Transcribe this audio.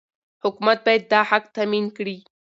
حکومت باید دا حق تامین کړي.